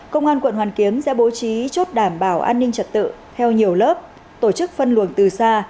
công an quận hoàn kiếm sẽ bố trí chốt đảm bảo an ninh trật tự theo nhiều lớp tổ chức phân luồng từ xa